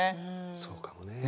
そうかもね。